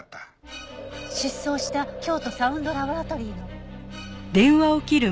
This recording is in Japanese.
失踪した京都サウンド・ラボラトリーの。